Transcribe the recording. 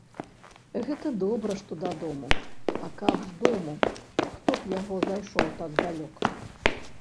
Гэта добра, што дадому, а каб з дому хто б яго зайшоў так далёка.